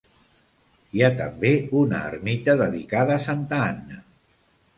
Hi ha també una ermita dedicada a Santa Anna.